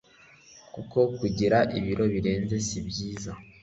kuko kugira ibiro birenze sibyiza